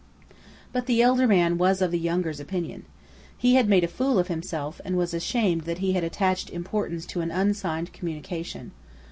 But the elder man was of the younger's opinion. He had made a fool of himself, and was ashamed that he had attached importance to an unsigned communication.